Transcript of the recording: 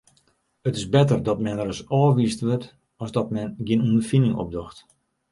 It is better dat men ris ôfwiisd wurdt as dat men gjin ûnderfining opdocht.